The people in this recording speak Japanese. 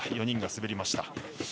４人が滑りました。